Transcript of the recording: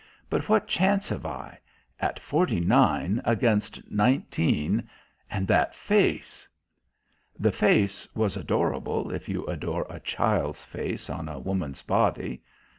But what chance have I? At forty nine against nineteen, and that face?" The face was adorable if you adore a child's face on a woman's body.